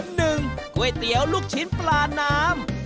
ก๋วยเตี๋ยวลูกชิ้นปลาน้ำ